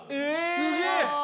すげえ。